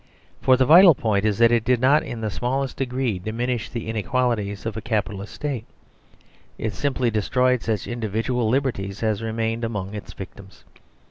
For the vital point is that it did not in the smallest degree diminish the inequalities of a Capitalist State. It simply destroyed such individual liberties as remained among its victims.